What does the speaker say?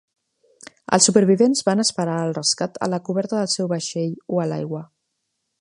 Els supervivents van esperar el rescat a la coberta del seu vaixell o a l'aigua.